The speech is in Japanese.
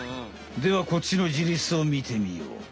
ではこっちのジリスをみてみよう。